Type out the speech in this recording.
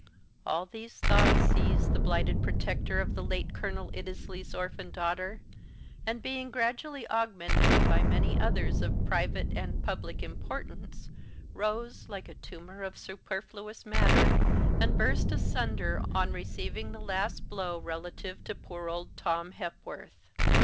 All these thoughts seized the blighted protector of the late Colonel Iddesleigh's orphan daughter; and being gradually augmented by many others of private and public importance, rose, like a tumour of superfluous matter, and burst asunder on receiving the last blow relative to poor old Tom Hepworth.